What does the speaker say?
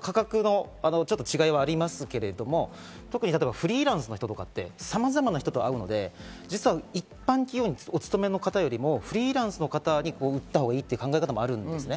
価格の違いはありますけど、フリーランスの人とかってさまざまな人と会うので、実は一般企業にお勤めの方よりもフリーランスの方で打ったほうがいいという考えもあるんです。